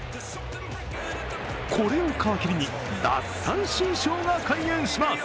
これを皮切りに奪三振ショーが開演します。